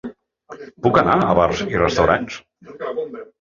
Puc anar a bars i restaurants?